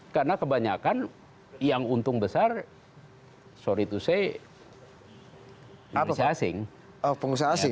karena kebanyakan yang untung besar sorry to say pengusaha asing